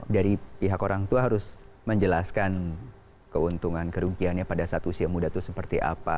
dari pihak orang tua harus menjelaskan keuntungan kerugiannya pada saat usia muda itu seperti apa